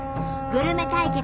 グルメ対決